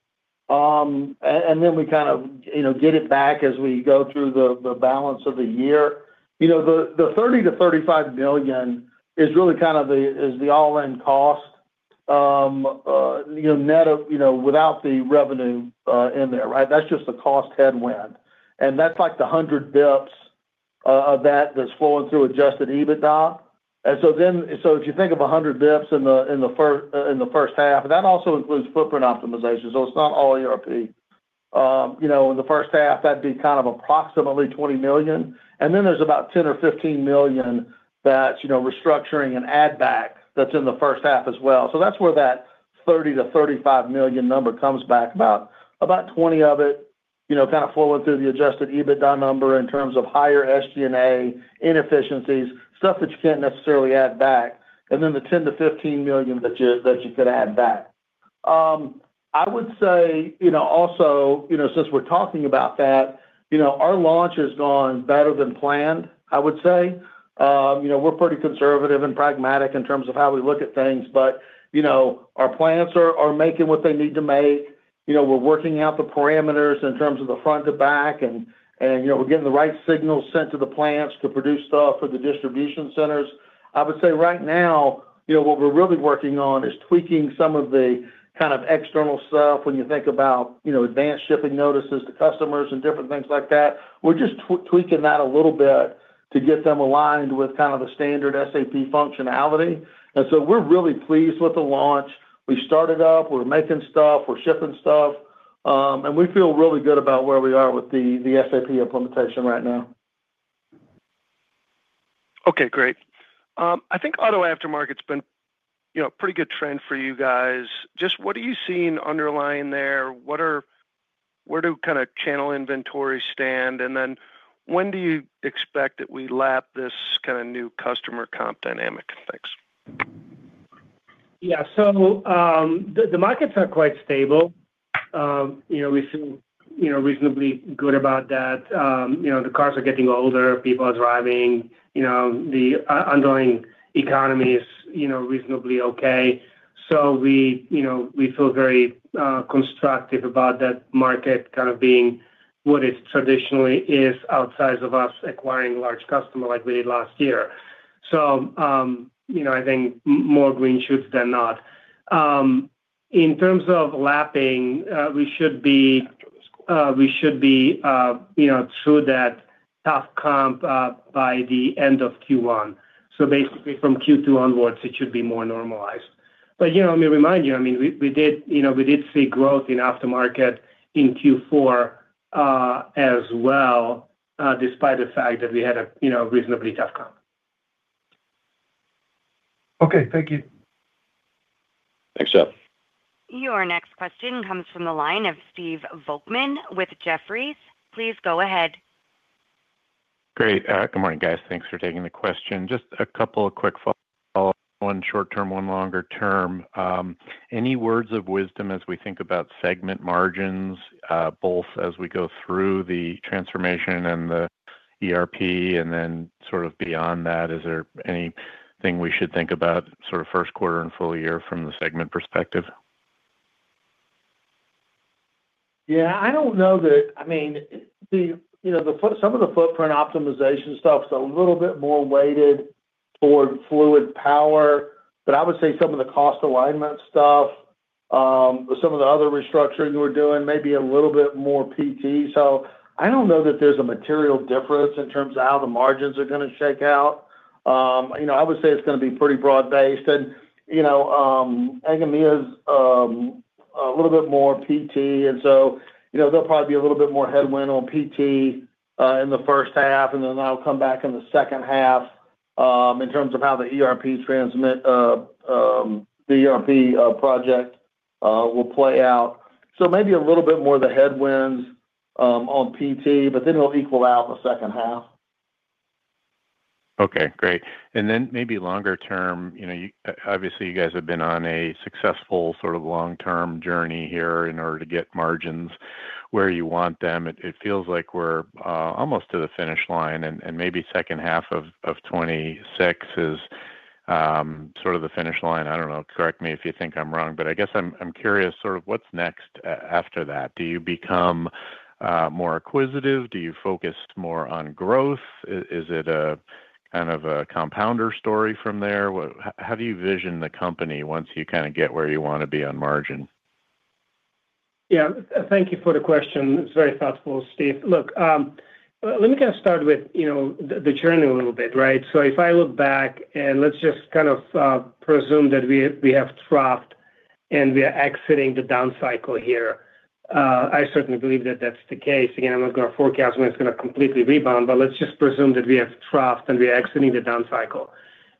S4: And then we kind of, you know, get it back as we go through the balance of the year. You know, the $30 million-$35 million is really kind of the is the all-in cost, you know, net of, you know, without the revenue in there, right? That's just the cost headwind, and that's like the 100 bps of that that's flowing through Adjusted EBITDA. And so then, so if you think of 100 bps in the first half, that also includes footprint optimization, so it's not all ERP. You know, in the first half, that'd be kind of approximately $20 million, and then there's about $10-$15 million that's, you know, restructuring and add back that's in the first half as well. So that's where that $30-$35 million number comes back, about, about 20 of it- you know, kind of flowing through the adjusted EBITDA number in terms of higher SG&A inefficiencies, stuff that you can't necessarily add back, and then the $10-$15 million that you, that you could add back. I would say, you know, also, you know, since we're talking about that, you know, our launch has gone better than planned, I would say. You know, we're pretty conservative and pragmatic in terms of how we look at things, but, you know, our plants are, are making what they need to make. You know, we're working out the parameters in terms of the front to back and, you know, we're getting the right signals sent to the plants to produce stuff for the distribution centers. I would say right now, you know, what we're really working on is tweaking some of the kind of external stuff when you think about, you know, advanced shipping notices to customers and different things like that. We're just tweaking that a little bit to get them aligned with kind of the standard SAP functionality. And so we're really pleased with the launch. We started up, we're making stuff, we're shipping stuff, and we feel really good about where we are with the, the SAP implementation right now.
S9: Okay, great. I think auto aftermarket's been, you know, a pretty good trend for you guys. Just what are you seeing underlying there? Where do kind of channel inventories stand? And then when do you expect that we lap this kind of new customer comp dynamic? Thanks.
S3: Yeah. So, the markets are quite stable. You know, we feel, you know, reasonably good about that. You know, the cars are getting older, people are driving, you know, the ongoing economy is, you know, reasonably okay. So we, you know, we feel very, constructive about that market kind of being what it traditionally is, outside of us acquiring large customer like we did last year. So, you know, I think more green shoots than not. In terms of lapping, we should be, you know, through that tough comp, by the end of Q1. So basically, from Q2 onwards, it should be more normalized. But, you know, let me remind you, I mean, we, we did, you know, we did see growth in aftermarket in Q4, as well, despite the fact that we had a, you know, reasonably tough comp.
S9: Okay. Thank you.
S2: Thanks, Jeff.
S1: Your next question comes from the line of Steve Volkmann with Jefferies. Please go ahead.
S10: Great. Good morning, guys. Thanks for taking the question. Just a couple of quick follow-up, one short term, one longer term. Any words of wisdom as we think about segment margins, both as we go through the transformation and the ERP, and then sort of beyond that, is there anything we should think about sort of first quarter and full year from the segment perspective?
S4: Yeah, I don't know that. I mean, you know, the footprint optimization stuff is a little bit more weighted toward Fluid Power, but I would say some of the cost alignment stuff, some of the other restructuring we're doing, may be a little bit more PT. So I don't know that there's a material difference in terms of how the margins are gonna shake out. You know, I would say it's gonna be pretty broad-based. And, you know, EMEA is a little bit more PT, and so, you know, they'll probably be a little bit more headwind on PT in the first half, and then that'll come back in the second half, in terms of how the ERP transition project will play out. So maybe a little bit more of the headwinds, on PT, but then it'll equal out in the second half.
S10: Okay, great. And then maybe longer term, you know, you obviously, you guys have been on a successful sort of long-term journey here in order to get margins where you want them. It feels like we're almost to the finish line, and maybe second half of 2026 is sort of the finish line. I don't know. Correct me if you think I'm wrong, but I guess I'm curious, sort of what's next after that? Do you become more acquisitive? Do you focus more on growth? Is it a kind of a compounder story from there? What-- How do you envision the company once you kinda get where you wanna be on margin?
S3: Yeah. Thank you for the question. It's very thoughtful, Steve. Look, let me kind of start with, you know, the, the journey a little bit, right? So if I look back, and let's just kind of presume that we, we have troughs and we are exiting the down cycle here. I certainly believe that that's the case. Again, I'm not going to forecast when it's going to completely rebound, but let's just presume that we have troughs and we are exiting the down cycle.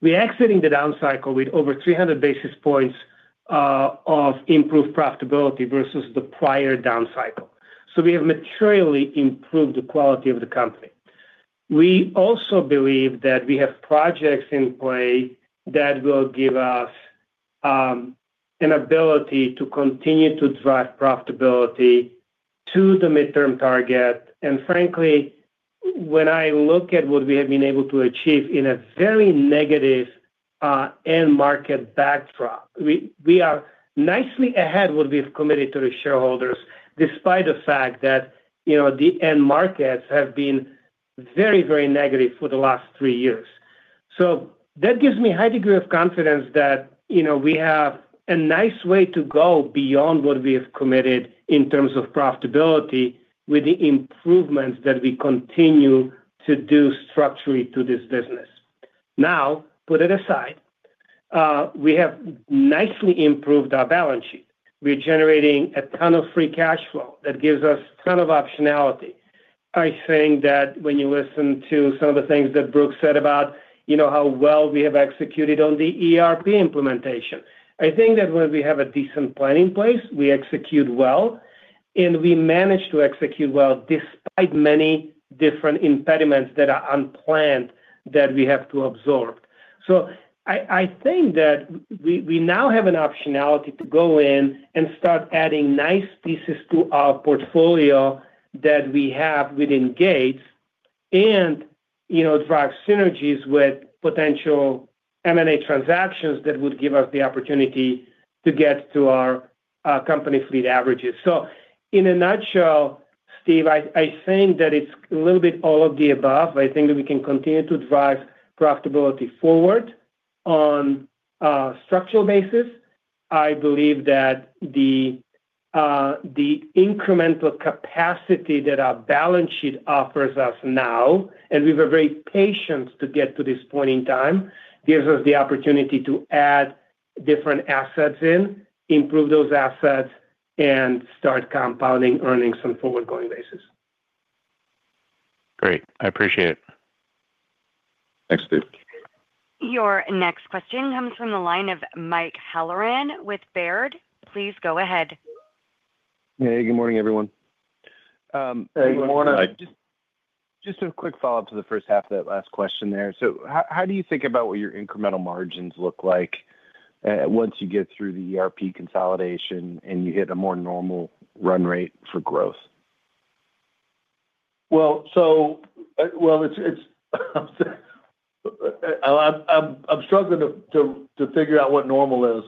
S3: We're exiting the down cycle with over 300 basis points of improved profitability versus the prior down cycle. So we have materially improved the quality of the company. We also believe that we have projects in play that will give us an ability to continue to drive profitability to the midterm target. And frankly, when I look at what we have been able to achieve in a very negative end market backdrop, we are nicely ahead what we have committed to the shareholders, despite the fact that, you know, the end markets have been very, very negative for the last three years. So that gives me a high degree of confidence that, you know, we have a nice way to go beyond what we have committed in terms of profitability with the improvements that we continue to do structurally to this business. Now, put it aside, we have nicely improved our balance sheet. We're generating a ton of free cash flow that gives us ton of optionality.... I think that when you listen to some of the things that Brooks said about, you know, how well we have executed on the ERP implementation, I think that when we have a decent plan in place, we execute well, and we manage to execute well despite many different impediments that are unplanned that we have to absorb. So I, I think that we, we now have an optionality to go in and start adding nice pieces to our portfolio that we have within Gates and, you know, drive synergies with potential M&A transactions that would give us the opportunity to get to our company fleet averages. So in a nutshell, Steve, I, I think that it's a little bit all of the above. I think that we can continue to drive profitability forward on a structural basis. I believe that the incremental capacity that our balance sheet offers us now, and we were very patient to get to this point in time, gives us the opportunity to add different assets in, improve those assets, and start compounding earnings on a forward-going basis.
S10: Great. I appreciate it.
S4: Thanks, Steve.
S1: Your next question comes from the line of Mike Halloran with Baird. Please go ahead.
S11: Hey, good morning, everyone.
S4: Good morning.
S3: Good morning.
S11: Just a quick follow-up to the first half of that last question there. So how do you think about what your incremental margins look like, once you get through the ERP consolidation, and you hit a more normal run rate for growth? Well, so, well, it's, I'm struggling to figure out what normal is.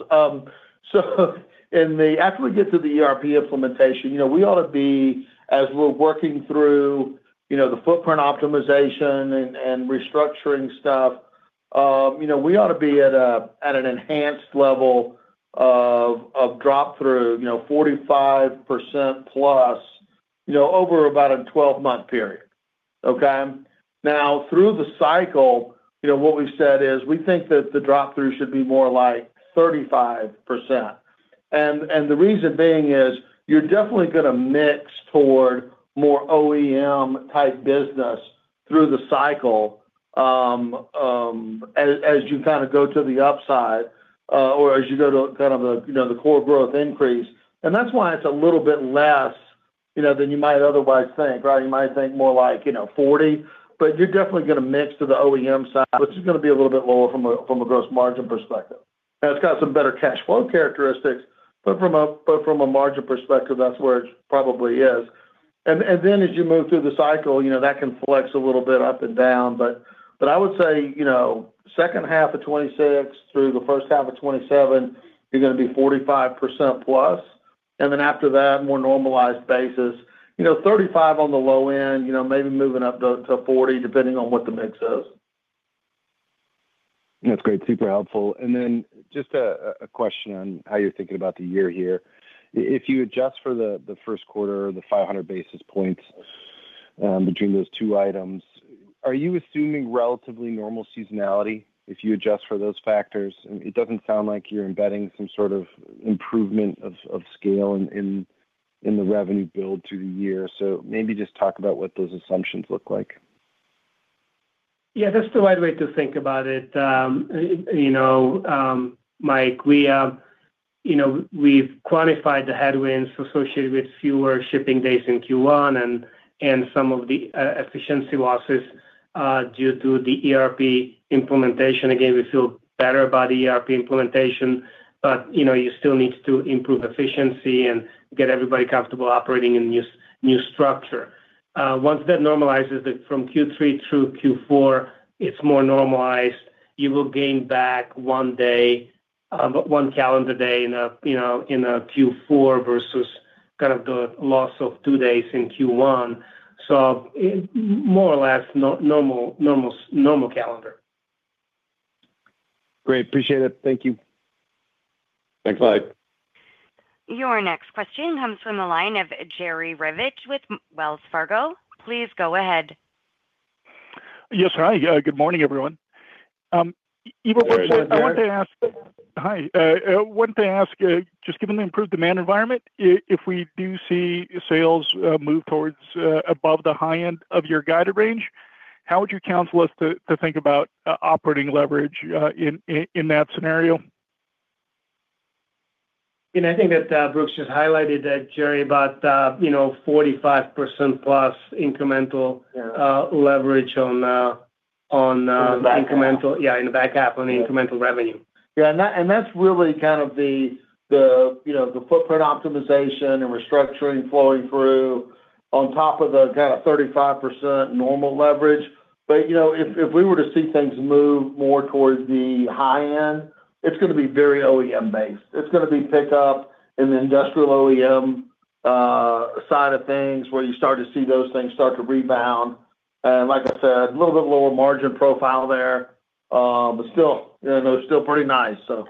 S11: So, after we get to the ERP implementation, you know, we ought to be, as we're working through, you know, the footprint optimization and restructuring stuff, you know, we ought to be at an enhanced level of drop through, you know, 45% plus, you know, over about a 12-month period, okay? Now, through the cycle, you know, what we've said is, we think that the drop through should be more like 35%. And the reason being is, you're definitely gonna mix toward more OEM-type business through the cycle, as you kind of go to the upside, or as you go to kind of the, you know, the core growth increase. And that's why it's a little bit less, you know, than you might otherwise think, right? You might think more like, you know, 40, but you're definitely gonna mix to the OEM side, which is gonna be a little bit lower from a gross margin perspective. Now, it's got some better cash flow characteristics, but from a margin perspective, that's where it probably is. And then as you move through the cycle, you know, that can flex a little bit up and down, but I would say, you know, second half of 2026 through the first half of 2027, you're gonna be 45%+, and then after that, more normalized basis, you know, 35 on the low end, you know, maybe moving up to 40, depending on what the mix is. That's great. Super helpful. And then just a question on how you're thinking about the year here. If you adjust for the first quarter, the 500 basis points between those two items, are you assuming relatively normal seasonality if you adjust for those factors? It doesn't sound like you're embedding some sort of improvement of scale in the revenue build to the year. So maybe just talk about what those assumptions look like.
S3: Yeah, that's the right way to think about it. You know, Mike, we, you know, we've quantified the headwinds associated with fewer shipping days in Q1 and some of the efficiency losses due to the ERP implementation. Again, we feel better about the ERP implementation, but, you know, you still need to improve efficiency and get everybody comfortable operating in the new structure. Once that normalizes it from Q3 through Q4, it's more normalized. You will gain back one day, one calendar day in a, you know, in a Q4 versus kind of the loss of two days in Q1, so, more or less, normal calendar.
S11: Great. Appreciate it. Thank you.
S4: Thanks, Mike.
S1: Your next question comes from the line of Jerry Revich with Wells Fargo. Please go ahead.
S12: Yes. Hi. Good morning, everyone. Igor-
S4: Good morning, Jerry.
S12: I wanted to ask. Hi, I wanted to ask, just given the improved demand environment, if we do see sales move towards above the high end of your guided range, how would you counsel us to think about operating leverage in that scenario?
S3: I think that Brooks just highlighted that, Jerry, about, you know, 45%+ incremental-
S4: Yeah
S3: leverage on, on
S4: On the back half....
S3: incremental. Yeah, in the back half, on the incremental revenue.
S4: Yeah, and that's really kind of the, you know, the footprint optimization and restructuring flowing through on top of the kind of 35% normal leverage. But, you know, if we were to see things move more towards the high end, it's gonna be very OEM-based. It's gonna be pickup in the industrial OEM side of things, where you start to see those things start to rebound. And like I said, a little bit lower margin profile there, but still, you know, still pretty nice, so.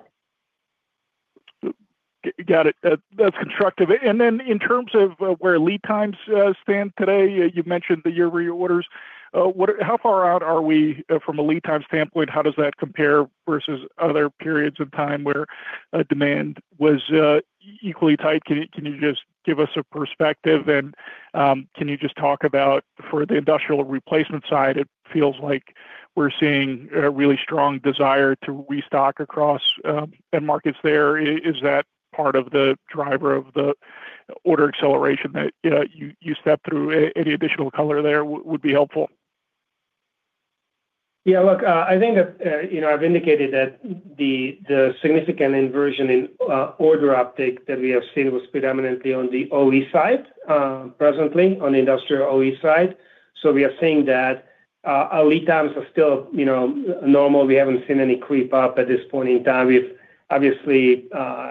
S12: Got it. That's constructive. And then in terms of where lead times stand today, you've mentioned the OE orders. What, how far out are we from a lead time standpoint? How does that compare versus other periods of time where demand was equally tight? Can you just give us a perspective? And can you just talk about for the industrial replacement side, it feels like we're seeing a really strong desire to restock across end markets there. Is that part of the driver of the order acceleration that, you know, you stepped through? Any additional color there would be helpful.
S3: Yeah, look, I think that, you know, I've indicated that the significant inversion in order uptick that we have seen was predominantly on the OE side, presently on the industrial OE side. So we are seeing that our lead times are still, you know, normal. We haven't seen any creep up at this point in time. We've obviously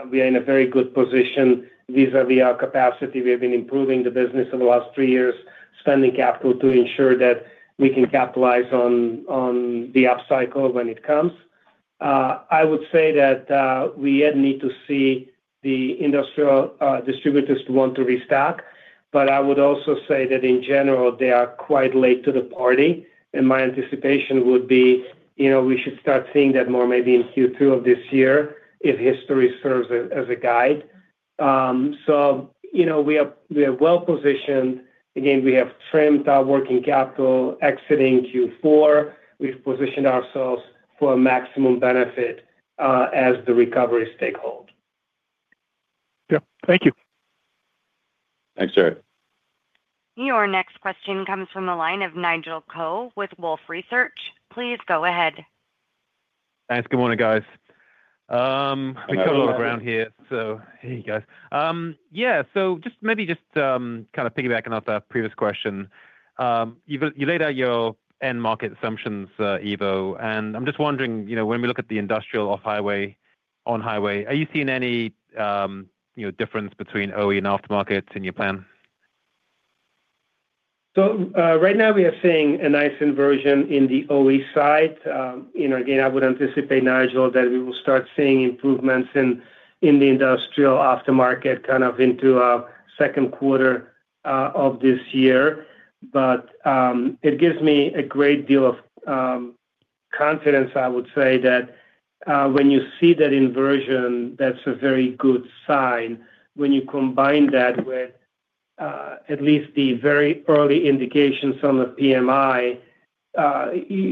S3: we are in a very good position vis-a-vis our capacity. We have been improving the business over the last three years, spending capital to ensure that we can capitalize on the upcycle when it comes. I would say that we yet need to see the industrial distributors want to restock, but I would also say that in general, they are quite late to the party, and my anticipation would be, you know, we should start seeing that more maybe in Q2 of this year, if history serves as a guide. So, you know, we are well positioned. Again, we have trimmed our working capital, exiting Q4. We've positioned ourselves for a maximum benefit as the recovery stakeholder.
S12: Yeah. Thank you.
S2: Thanks, Jerry.
S1: Your next question comes from the line of Nigel Coe with Wolfe Research. Please go ahead.
S13: Thanks. Good morning, guys.
S3: Good morning.
S13: We covered a lot of ground here, so here you go. Yeah, so just maybe just kind of piggybacking off that previous question. You laid out your end market assumptions, Ivo, and I'm just wondering, you know, when we look at the industrial off-highway, on-highway, are you seeing any, you know, difference between OE and aftermarket in your plan?
S3: So, right now, we are seeing a nice inversion in the OE side. You know, again, I would anticipate, Nigel, that we will start seeing improvements in the industrial aftermarket, kind of into second quarter of this year. But, it gives me a great deal of confidence, I would say, that when you see that inversion, that's a very good sign. When you combine that with at least the very early indications from the PMI,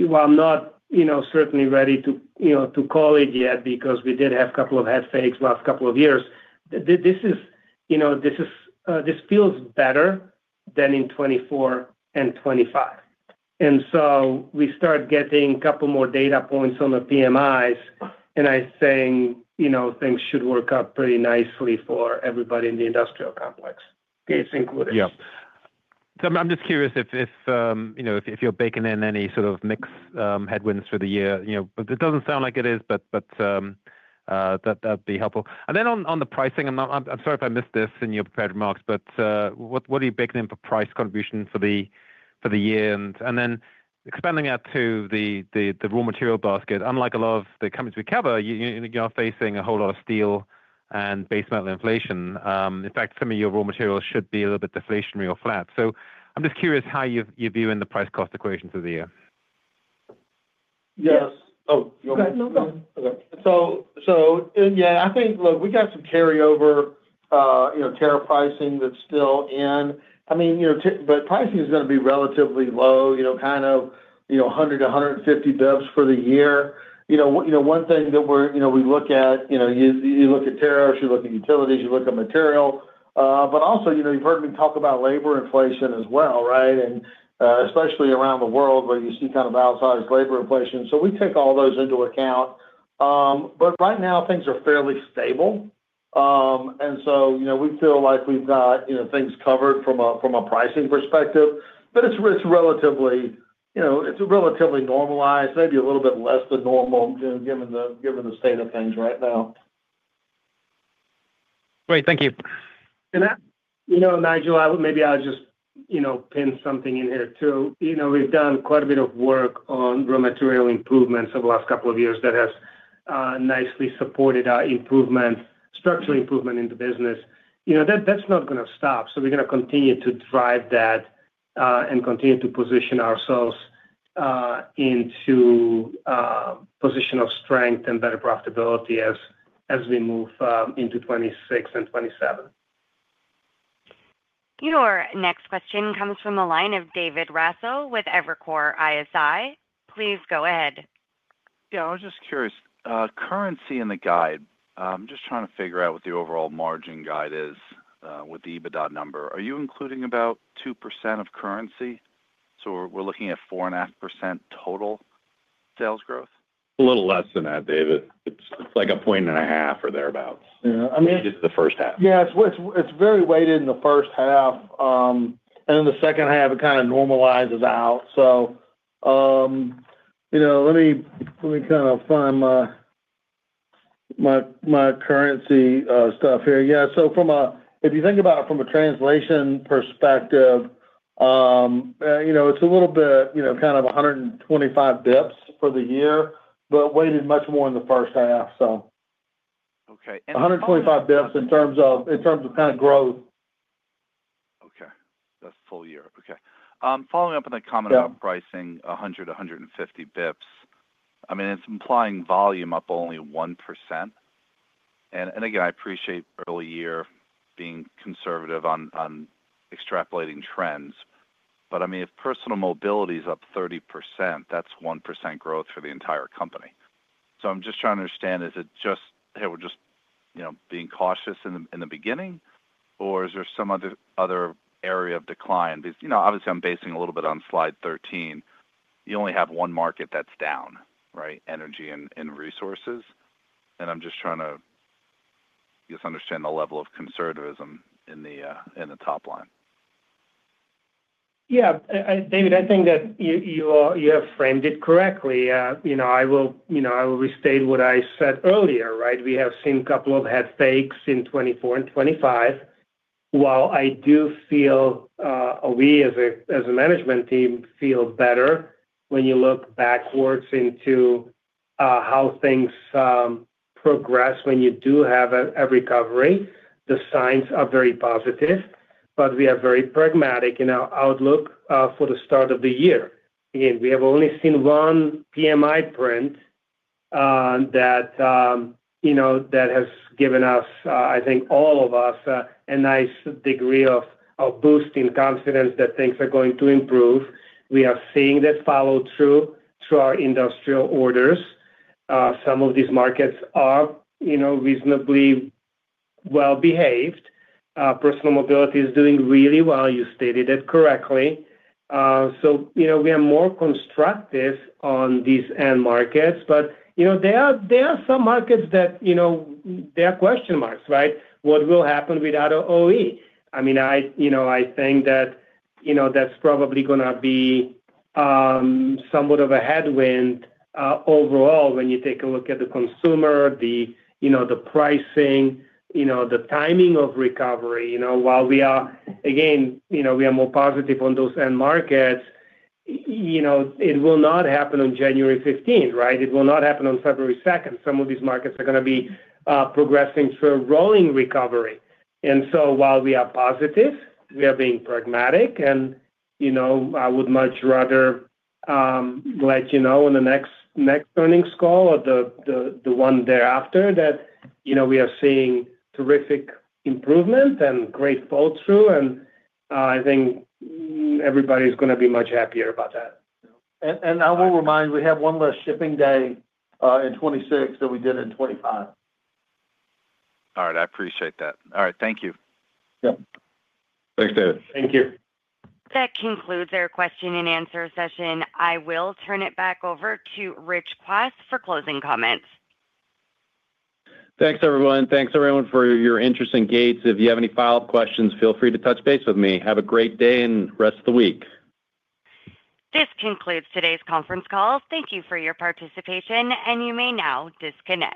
S3: while I'm not, you know, certainly ready to, you know, to call it yet, because we did have a couple of head fakes last couple of years, this is, you know, this is, this feels better than in 2024 and 2025. And so we start getting a couple more data points on the PMIs, and I think, you know, things should work out pretty nicely for everybody in the industrial complex, case included.
S13: Yeah. So I'm just curious if, you know, if you're baking in any sort of mix headwinds for the year, you know, but it doesn't sound like it is, but that'd be helpful. And then on the pricing, I'm not. I'm sorry if I missed this in your prepared remarks, but what are you baking in for price contribution for the year? And then expanding out to the raw material basket, unlike a lot of the companies we cover, you are facing a whole lot of steel and base metal inflation. In fact, some of your raw materials should be a little bit deflationary or flat. So I'm just curious how you view the price-cost equation through the year.
S3: Yes.
S4: Yes.
S3: Oh, you go.
S2: No, go.
S4: Okay. So, so, yeah, I think, look, we got some carryover, you know, tariff pricing that's still in. I mean, you know, but pricing is going to be relatively low, you know, kind of, you know, 100-150 basis points for the year. You know, you know, one thing that we're, you know, we look at, you know, you, you look at tariffs, you look at utilities, you look at material, but also, you know, you've heard me talk about labor inflation as well, right? And, especially around the world, where you see kind of outsized labor inflation. So we take all those into account. But right now, things are fairly stable. You know, we feel like we've got, you know, things covered from a pricing perspective, but it's relatively, you know, it's relatively normalized, maybe a little bit less than normal given the state of things right now.
S13: Great. Thank you.
S3: And, you know, Nigel, I maybe I'll just, you know, pin something in here, too. You know, we've done quite a bit of work on raw material improvements over the last couple of years that has, nicely supported our improvement, structural improvement in the business. You know, that, that's not gonna stop, so we're gonna continue to drive that, and continue to position ourselves, into, position of strength and better profitability as, as we move, into 2026 and 2027.
S1: Your next question comes from the line of David Raso with Evercore ISI. Please go ahead.
S14: Yeah, I was just curious, currency in the guide. I'm just trying to figure out what the overall margin guide is, with the EBITDA number. Are you including about 2% of currency? So we're, we're looking at 4.5% total sales growth.
S2: A little less than that, David. It's like 1.5 or thereabouts.
S3: Yeah, I mean-
S2: Just the first half.
S4: Yeah, it's very weighted in the first half, and in the second half, it kind of normalizes out. So, you know, let me kind of find my currency stuff here. Yeah, so if you think about it from a translation perspective, you know, it's a little bit, kind of 125 basis points for the year, but weighted much more in the first half, so.
S2: Okay.
S4: 125 basis points in terms of, in terms of kind of growth.
S14: Okay, that's full year. Okay, following up on the comment-
S2: Yeah
S14: about pricing 100, 150 basis points. I mean, it's implying volume up only 1%. And again, I appreciate early year being conservative on extrapolating trends. But I mean, if personal mobility is up 30%, that's 1% growth for the entire company. So I'm just trying to understand, is it just, hey, we're just, you know, being cautious in the, in the beginning, or is there some other area of decline? Because, you know, obviously, I'm basing a little bit on slide 13. You only have one market that's down, right? Energy and resources. And I'm just trying to understand the level of conservatism in the top line.
S3: Yeah, David, I think that you have framed it correctly. You know, I will restate what I said earlier, right? We have seen a couple of head fakes in 2024 and 2025. While I do feel, or we as a management team, feel better when you look backwards into how things progress when you do have a recovery, the signs are very positive, but we are very pragmatic in our outlook for the start of the year. Again, we have only seen one PMI print that you know that has given us I think all of us a nice degree of boosting confidence that things are going to improve. We are seeing that follow through to our industrial orders. Some of these markets are, you know, reasonably well behaved. Personal mobility is doing really well. You stated it correctly. So, you know, we are more constructive on these end markets, but, you know, there are some markets that, you know, there are question marks, right? What will happen without OE? I mean, you know, I think that, you know, that's probably gonna be somewhat of a headwind, overall, when you take a look at the consumer, you know, the pricing, you know, the timing of recovery. You know, while we are, again, you know, we are more positive on those end markets, you know, it will not happen on January fifteenth, right? It will not happen on February second. Some of these markets are gonna be progressing through a rolling recovery. And so while we are positive, we are being pragmatic, and, you know, I would much rather let you know in the next earnings call or the one thereafter, that, you know, we are seeing terrific improvement and great follow through, and I think everybody's gonna be much happier about that.
S2: I will remind, we have one less shipping day in 2026 than we did in 2025.
S14: All right. I appreciate that. All right. Thank you.
S2: Yep. Thanks, David.
S3: Thank you.
S1: That concludes our question and answer session. I will turn it back over to Rich Kwas for closing comments.
S2: Thanks, everyone. Thanks, everyone, for your interest in Gates. If you have any follow-up questions, feel free to touch base with me. Have a great day and rest of the week.
S1: This concludes today's conference call. Thank you for your participation, and you may now disconnect.